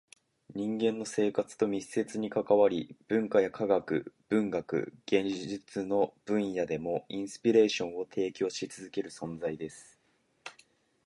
人間の生活と密接に関わり、文化や科学、文学、芸術の分野でもインスピレーションを提供し続ける存在です。